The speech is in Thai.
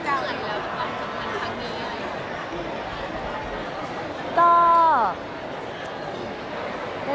ก็จะเป็นเรื่องของมนาคตนะคะ